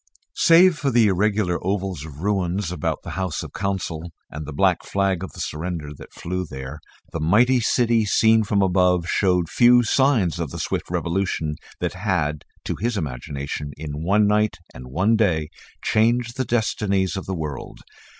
Save for the irregular oval of ruins about the House of the Council and the black flag of the surrender that fluttered there, the mighty city seen from above showed few signs of the swift revolution that had, to his imagination, in one night and one day, changed the destinies of the world.